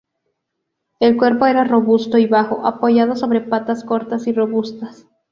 El cuerpo era robusto y bajo, apoyado sobre patas cortas y robustas.